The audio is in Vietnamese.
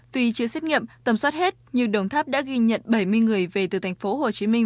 tuy chưa xét nghiệm tầm soát hết nhưng đồng tháp đã ghi nhận bảy mươi người về từ thành phố hồ chí minh